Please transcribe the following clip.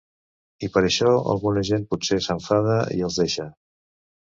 I per això alguna gent potser s’enfada i els deixa.